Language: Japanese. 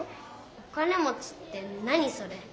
「お金もち」って何それ？